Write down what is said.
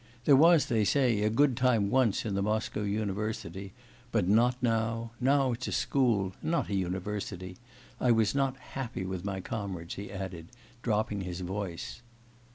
There was, they say, a good time once in the Moscow university! But not now. Now it's a school, not a university. I was not happy with my comrades,' he added, dropping his voice.